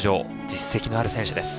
実績のある選手です。